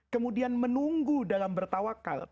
kemudian menunggu dalam bertawakkal